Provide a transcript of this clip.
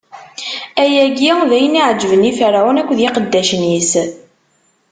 Ayagi d ayen i yeɛeǧben i Ferɛun akked iqeddacen-is.